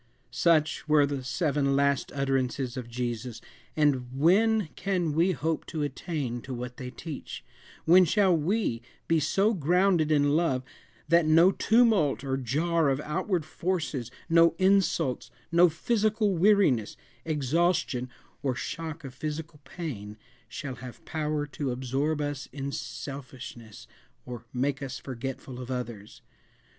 Such were the seven "last utterances" of Jesus and when can we hope to attain to what they teach? When shall we be so grounded in Love that no tumult or jar of outward forces, no insults, no physical weariness, exhaustion, or shock of physical pain, shall have power to absorb us in selfishness, or make us forgetful of others?